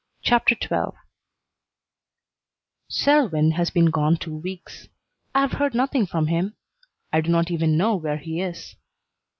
CHAPTER XII Selwyn has been gone two weeks. I have heard nothing from him. I do not even know where he is.